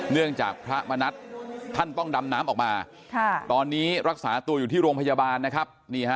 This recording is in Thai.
เนื่องจากพระมณัฐท่านต้องดำน้ำออกมาตอนนี้รักษาตัวอยู่ที่โรงพยาบาลนะครับ